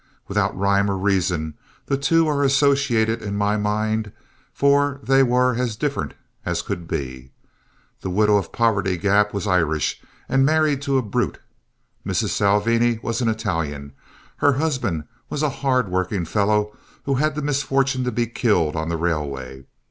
Without rhyme or reason the two are associated in my mind, for they were as different as could be. The widow of Poverty Gap was Irish and married to a brute. Mrs. Salvini was an Italian; her husband was a hard working fellow who had the misfortune to be killed on the railway.